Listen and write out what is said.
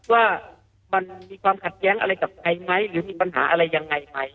ว่ามันมีความขัดแย้งอะไรกับใครไหมหรือมีปัญหาอะไรยังไงไหม